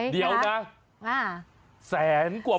เดี๋ยวนะ๑๐๐๐๐๐บาท